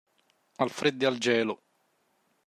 Al freddo al gelo.